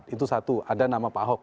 itu satu ada nama pak ahok